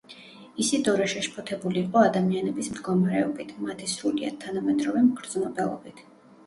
ისიდორა შეშფოთებული იყო ადამიანების მდგომარეობით, მათი სრულიად თანამედროვე მგრძნობელობით.